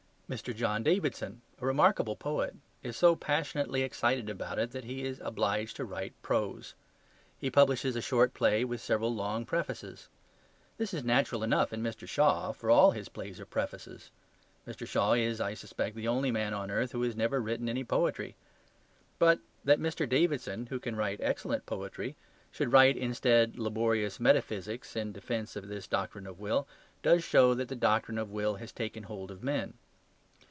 Mr. John Davidson, a remarkable poet, is so passionately excited about it that he is obliged to write prose. He publishes a short play with several long prefaces. This is natural enough in Mr. Shaw, for all his plays are prefaces: Mr. Shaw is (I suspect) the only man on earth who has never written any poetry. But that Mr. Davidson (who can write excellent poetry) should write instead laborious metaphysics in defence of this doctrine of will, does show that the doctrine of will has taken hold of men.